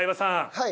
はい。